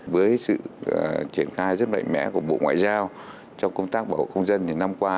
với sự triển khai rất mạnh mẽ của bộ ngoại giao trong công tác bảo hộ công dân những năm qua